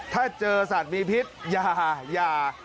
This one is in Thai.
ถ้าเจอสัตว์มีพิษอย่าอย่า